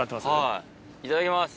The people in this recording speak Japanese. はいいただきます。